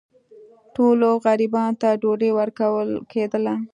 ټولو غریبانو ته ډوډۍ ورکول کېدله.